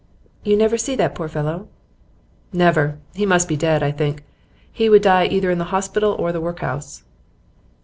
'You never see that poor fellow?' 'Never. He must be dead, I think. He would die either in the hospital or the workhouse.